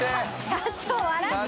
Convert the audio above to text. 社長笑ってよ！